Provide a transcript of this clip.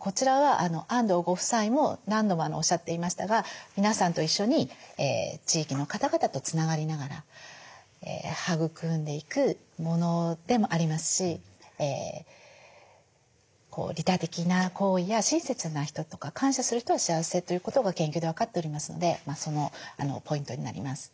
こちらは安藤ご夫妻も何度もおっしゃっていましたが皆さんと一緒に地域の方々とつながりながら育んでいくものでもありますし利他的な行為や親切な人とか感謝する人は幸せということが研究で分かっておりますのでそのポイントになります。